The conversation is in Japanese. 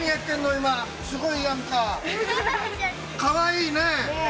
今すごいやんか。かわいいね。